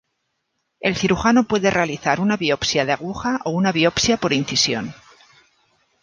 El cirujano puede realizar una biopsia de aguja o una biopsia por incisión.